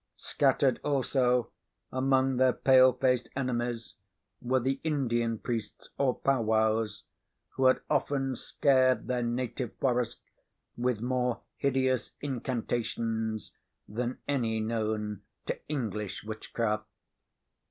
Scattered also among their pale faced enemies were the Indian priests, or powwows, who had often scared their native forest with more hideous incantations than any known to English witchcraft.